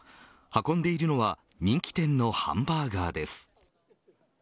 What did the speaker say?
運んでいるのは人気店のハンバーガーです。